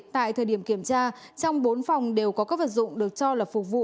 tại thời điểm kiểm tra trong bốn phòng đều có các vật dụng được cho là phục vụ